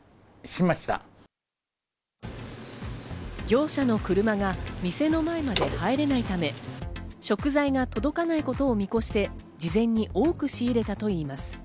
業者の車が店の前まで入れないため、食材が届かないことを見越して事前に多く仕入れたといいます。